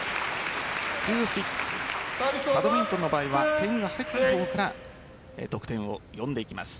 バドミントンの場合は点が入った方から得点を読んでいきます。